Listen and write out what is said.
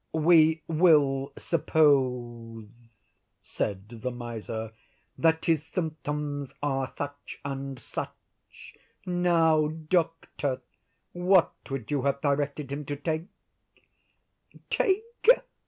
"'We will suppose,' said the miser, 'that his symptoms are such and such; now, doctor, what would you have directed him to take?' "'Take!